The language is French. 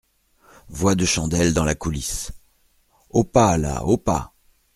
Voix de Chandel, dans la coulisse. — Au pas, là, au pas !